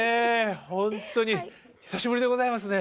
ほんとに久しぶりでございますね。